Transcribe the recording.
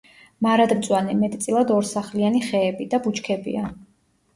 მარადმწვანე, მეტწილად ორსახლიანი ხეები და ბუჩქებია.